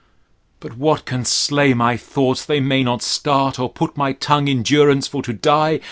2. But what can stay my thoughts they may not start, or put my tongue in durance for to die?